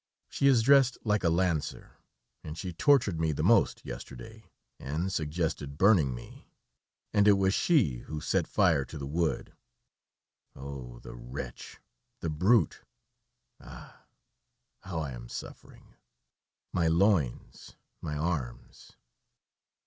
She is dressed like a lancer, and she tortured me the most yesterday, and suggested burning me, and it was she who set fire to the wood. Oh! the wretch, the brute.... Ah! how I am suffering! My loins, my arms!"